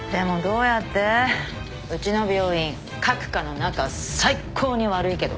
うちの病院各科の仲最高に悪いけど